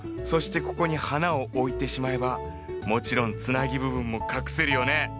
そしてここに花を置いてしまえばもちろんつなぎ部分も隠せるよね。